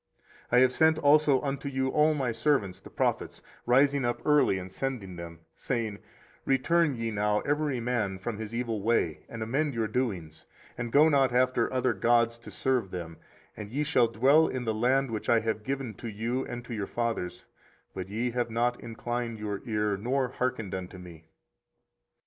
24:035:015 I have sent also unto you all my servants the prophets, rising up early and sending them, saying, Return ye now every man from his evil way, and amend your doings, and go not after other gods to serve them, and ye shall dwell in the land which I have given to you and to your fathers: but ye have not inclined your ear, nor hearkened unto me.